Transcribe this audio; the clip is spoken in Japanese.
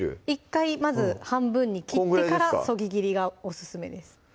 １回まず半分に切ってからそぎ切りがオススメです